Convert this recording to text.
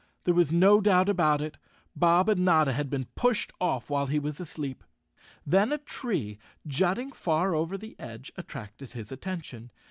There was no doubt about it, Bob and Notta had been pushed off while he was asleep. Then a tree, jutting far over the edge, attracted his attention.